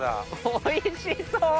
おいしそ！